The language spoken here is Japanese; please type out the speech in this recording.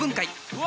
うわ！